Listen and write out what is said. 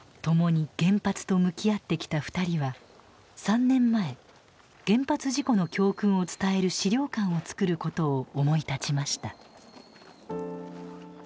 共に原発と向き合ってきた２人は３年前原発事故の教訓を伝える資料館をつくることを思い立ちました。